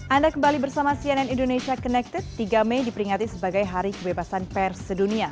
anda kembali bersama cnn indonesia connected tiga mei diperingati sebagai hari kebebasan pers sedunia